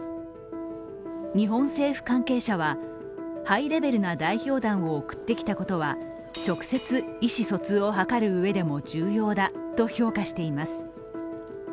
日本政府関係者はハイレベルな代表団を送ってきたことは直接、意思疎通を図るうえでも重要だと評価しています。